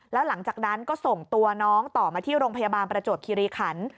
แล้วหลังจากนั้นก็ส่งตัวน้องต่อมาที่โรงพยาบาลประจวบคิริขัน